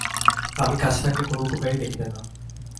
আমি কাছে থাকিলে কোন উপকার দেখিবে না।